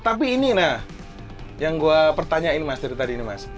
tapi ini nah yang gue pertanyain mas dari tadi ini mas